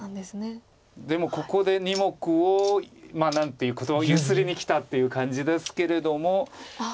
でもここで２目を何ていうかゆすりにきたっていう感じですけれども。